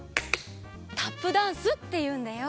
タップダンスっていうんだよ。